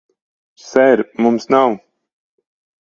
Ser, mums nav...